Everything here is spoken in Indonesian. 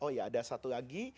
oh ya ada satu lagi